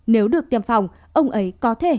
nếu được tiêm phòng ông ấy có thể